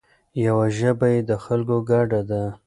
یوه ژبه یې د خلکو ګډه ده.